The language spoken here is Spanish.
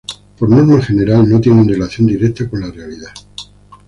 Por norma general, no tienen relación directa con la realidad.